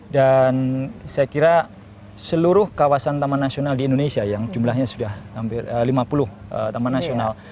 dan saya kira seluruh kawasan taman nasional di indonesia yang jumlahnya sudah hampir lima puluh taman nasional